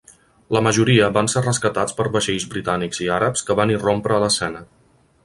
La majoria van ser rescatats per vaixells britànics i àrabs que van irrompre a l'escena.